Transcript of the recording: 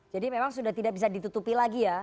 jadi memang sudah tidak bisa ditutupi lagi ya